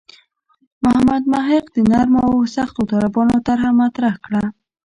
محمد محق د نرمو او سختو طالبانو طرح مطرح کړه.